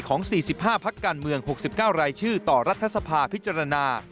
๔๕พักการเมือง๖๙รายชื่อต่อรัฐสภาพิจารณา